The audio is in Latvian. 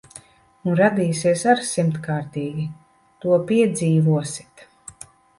Un radīsies ar simtkārtīgi. To piedzīvosit.